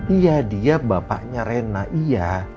iya dia bapaknya rena iya